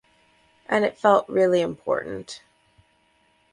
And it felt really important.